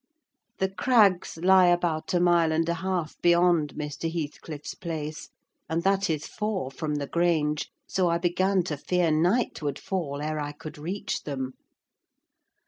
The Crags lie about a mile and a half beyond Mr. Heathcliff's place, and that is four from the Grange, so I began to fear night would fall ere I could reach them.